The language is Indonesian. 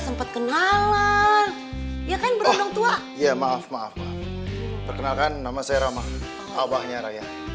sempat kenalan ya kan berulang tua ya maaf maaf pak perkenalkan nama saya ramah abahnya raya